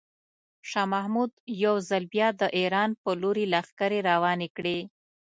شاه محمود یو ځل بیا د ایران په لوري لښکرې روانې کړې.